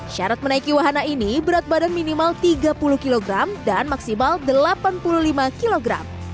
syarat menaiki wahana ini berat badan minimal tiga puluh kg dan maksimal delapan puluh lima kg